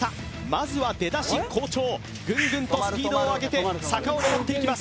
まずは出だし好調ぐんぐんとスピードを上げて坂をのぼっていきます